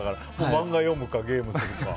漫画読むか、ゲームするか。